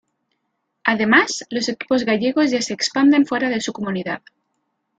Además, los equipos gallegos ya se expanden fuera de su comunidad.